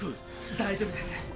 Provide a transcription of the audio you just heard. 大丈夫です。